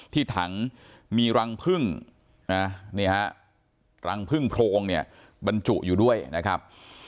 ที่ถังมีรังพึ่งรังพึ่งโพรงเนี่ยบรรจุอยู่ด้วยนะครับ